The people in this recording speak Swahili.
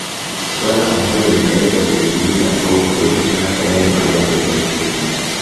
Swala ambalo linaweza kuingilia au kupotosha hata yale malengo ya kiuchumi